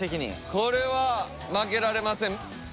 これは負けられません。